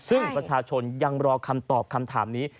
ซึ่งประชาชนยังรอคำตอบคำถามนี้